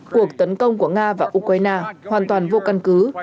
cuộc tấn công của nga và ukraine hoàn toàn vô căn cứ